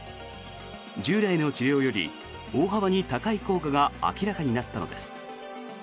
従来の治療より大幅に高い効果が明らかになったのです。